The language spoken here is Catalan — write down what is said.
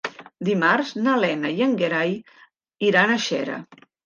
Dimarts na Lena i en Gerai iran a Xera.